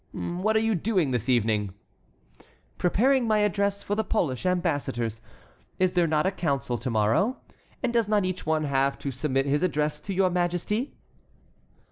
"What are you doing this evening?" "Preparing my address for the Polish ambassadors. Is there not a council to morrow? and does not each one have to submit his address to your Majesty?"